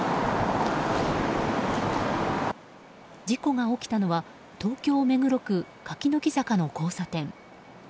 事故が起きたのは東京・目黒区柿の木坂の交差点。